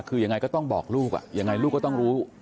คือยังไงก็ต้องบอกลูกยังไงลูกก็ต้องรู้